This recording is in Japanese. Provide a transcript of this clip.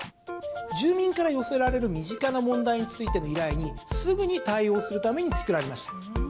住民から寄せられる身近な問題についての依頼にすぐに対応するために作られました。